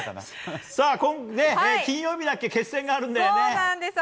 金曜日、決戦があるんだよね。